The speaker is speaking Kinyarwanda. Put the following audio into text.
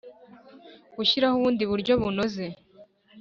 Gushyiraho ubundi buryo bunoze